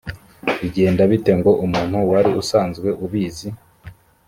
bigenda bite ngo umuntu wari usanzwe ubizi